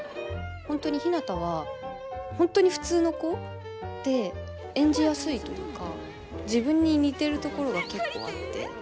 本当にひなたは本当に普通の子で演じやすいというか自分に似てるところが結構あって。